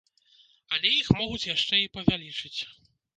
Але іх могуць яшчэ і павялічыць.